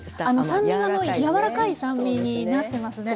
酸味が柔らかい酸味になってますね。